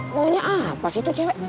maunya apa sih itu cewek